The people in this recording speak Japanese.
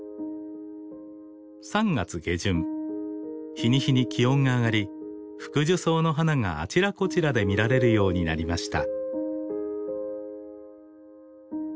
日に日に気温が上がりフクジュソウの花があちらこちらで見られるようになりました。